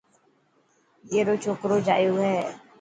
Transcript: اي رو ڇوڪرو جايو هي.